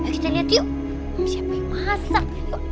presiden lihat yuk siapa yang masak